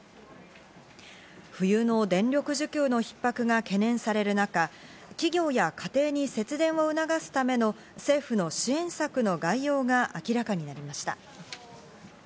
冬の電力需給のひっ迫が懸念される中、企業や家庭に節電を促すための政府の支援策の概要が明らかになりました。